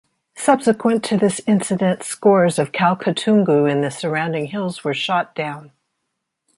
Subsequent to this incident, scores of Kalkatungu in the surrounding hills were shot down.